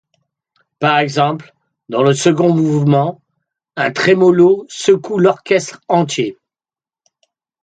Par exemple, dans le second mouvement, un trémolo secoue l'orchestre entier.